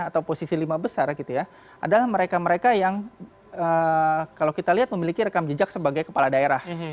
atau posisi lima besar gitu ya adalah mereka mereka yang kalau kita lihat memiliki rekam jejak sebagai kepala daerah